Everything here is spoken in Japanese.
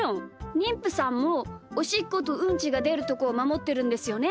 にんぷさんもおしっことうんちがでるところをまもってるんですよね？